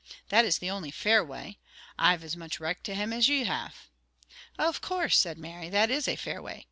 That is the only fair way. I've as much richt to him as ye have." "Of course!" said Mary. "That is a fair way.